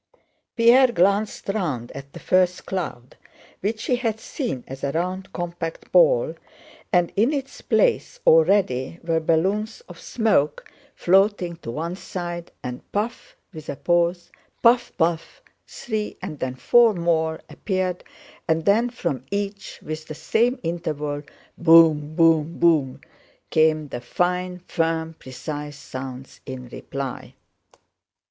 Pierre glanced round at the first cloud, which he had seen as a round compact ball, and in its place already were balloons of smoke floating to one side, and—"puff" (with a pause)—"puff, puff!" three and then four more appeared and then from each, with the same interval—"boom—boom, boom!" came the fine, firm, precise sounds in reply.